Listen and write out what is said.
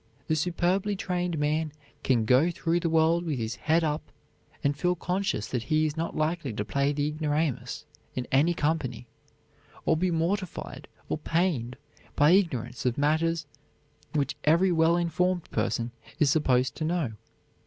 The superbly trained man can go through the world with his head up and feel conscious that he is not likely to play the ignoramus in any company, or be mortified or pained by ignorance of matters which every well informed person is supposed to know.